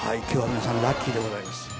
今日は皆さんラッキーでございます。